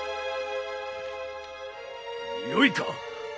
よいか。